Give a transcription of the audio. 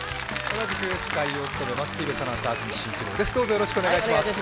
同じく司会を務めます、ＴＢＳアナウンサー、安住紳一郎です。